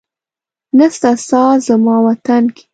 نسته ساه زما وطن کي